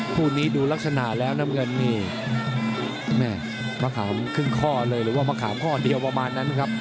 คู่นี้ดูลักษณะแล้วน้ำเงินนี่แม่มะขามครึ่งข้อเลยหรือว่ามะขามข้อเดียวประมาณนั้นครับ